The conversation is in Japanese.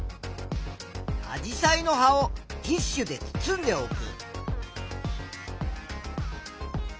アジサイの葉をティッシュで包んでおく。